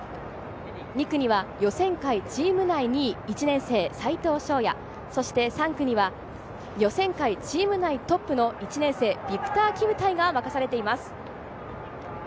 ２区には予選会チーム内２位、１年生・斎藤将也、そして３区には予選会チーム内トップの１年生、ヴィクター・キムタイが任されています。